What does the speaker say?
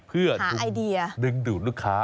เพื่อดึงดูดลูกค้า